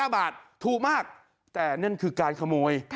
๕บาทถูกมากแต่นั่นคือการขโมย